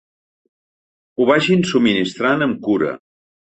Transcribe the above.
Ho vagin subministrant amb cura.